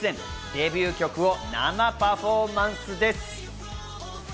デビュー曲を生パフォーマンスです。